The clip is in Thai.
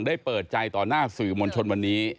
เปิดใจต่อหน้าสื่อมวลชนวันนี้